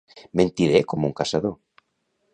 Mentider com un caçador.